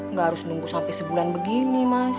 nggak harus nunggu sampai sebulan begini mas